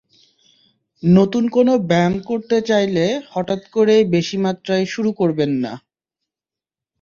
নতুন কোনো ব্যায়াম করতে চাইলে হঠাৎ করেই বেশি মাত্রায় শুরু করবেন না।